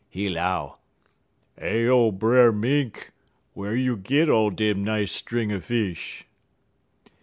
He 'low: "'Heyo, Brer Mink! Whar you git all dem nice string er fish?'